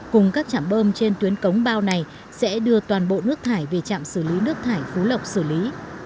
cùng các chạm bơm trên tuyến cống bao này sẽ đưa toàn bộ nước thải về trạm xử lý nước thải phú lộc xử lý